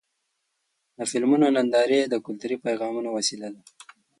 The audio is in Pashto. د فلمونو نندارې د کلتوري پیغامونو وسیله ده.